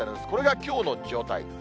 これがきょうの状態。